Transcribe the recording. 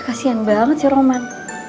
kasian banget sih roman